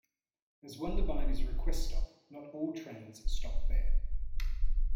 As Wondabyne is a request stop, not all trains stop there.